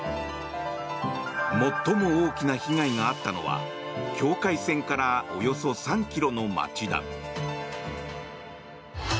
最も大きな被害があったのは境界線からおよそ３ｋｍの街だ。